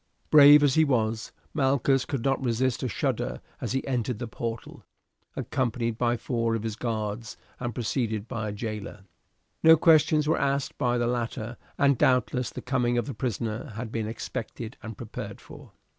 Brave as he was, Malchus could not resist a shudder as he entered the portal, accompanied by four of his guards and preceded by a jailer. No questions were asked by the latter, and doubtless the coming of the prisoner had been expected and prepared for.